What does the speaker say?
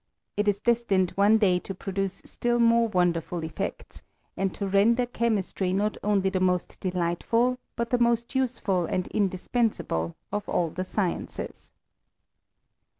It is destined one day to produce still more wonderful effects, and to render chemistry not only the most delightful, but the most useful and indispensable, of all the sciences.